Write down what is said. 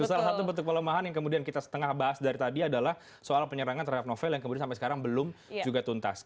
salah satu bentuk pelemahan yang kemudian kita setengah bahas dari tadi adalah soal penyerangan terhadap novel yang kemudian sampai sekarang belum juga tuntas